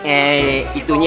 eh itunya ya